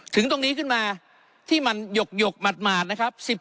ถึงตรงนี้ขึ้นมาที่มันหยกหมาดนะครับ